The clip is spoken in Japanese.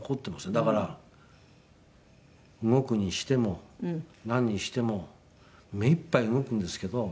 だから動くにしてもなんにしてもめいっぱい動くんですけどそういうのが残って。